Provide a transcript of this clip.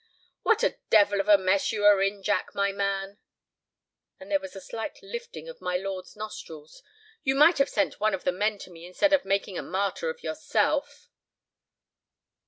"What a devil of a mess you are in, Jack, my man!" And there was a slight lifting of my lord's nostrils. "You might have sent one of the men to me instead of making a martyr of yourself."